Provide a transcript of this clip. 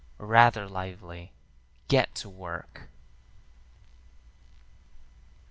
Rather lively. Get to work!"